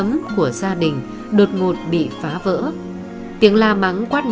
là gia đình là chồng là ba đứa con